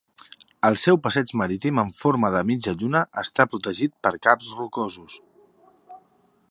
El seu passeig marítim en forma de mitja lluna està protegit per caps rocosos.